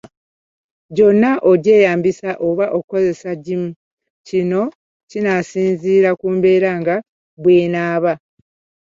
Gyonna ogyeyambisa oba okozesaako gimu, kino kinaasinziira ku mbeera nga bw’enaaba.